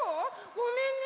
ごめんね！